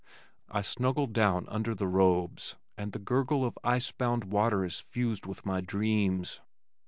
I snuggle down under the robes and the gurgle of ice bound water is fused with my dreams.